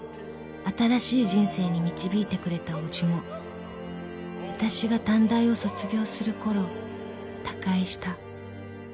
［新しい人生に導いてくれた伯父もわたしが短大を卒業するころ他界した］